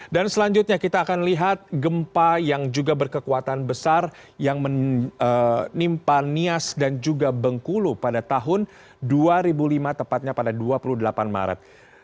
dan selanjutnya kita akan lihat gempa yang juga berkekuatan besar yang menimpa nias dan juga bengkulu pada tahun dua ribu lima tepatnya pada dua puluh delapan maret